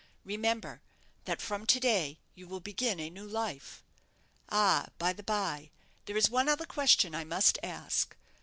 Remember, that from to day you will begin a new life. Ah, by the bye, there is one other question I must ask.